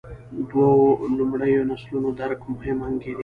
دوو لومړیو نسلونو درک مهم انګېري.